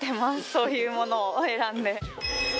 そういうものを選んで。